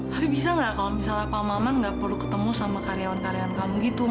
tapi bisa nggak kalau misalnya pak maman nggak perlu ketemu sama karyawan karyawan kamu gitu